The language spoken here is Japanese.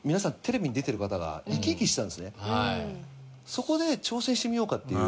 そこで挑戦してみようかっていう。